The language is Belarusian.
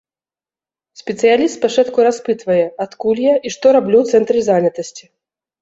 Спецыяліст спачатку распытвае, адкуль я і што раблю ў цэнтры занятасці.